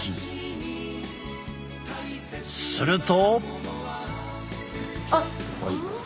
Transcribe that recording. すると。